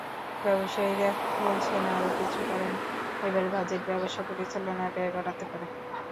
ব্যবসায়ীরা বলছেন, আরও কিছু কারণে এবারের বাজেট ব্যবসা পরিচালনার ব্যয় বাড়াতে পারে।